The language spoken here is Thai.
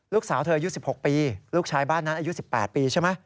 ลูกสาวเธออายุ๑๖ปีลูกชายบ้านนั้นอายุ๑๘ปีใช่ไหม